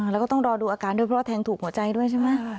แล้วก็ต้องรอดูอาการด้วยเพราะว่าแทงถูกหัวใจด้วยใช่ไหม